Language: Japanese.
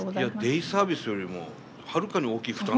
デイサービスよりもはるかに大きい負担。